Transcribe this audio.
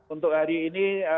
untuk hari ini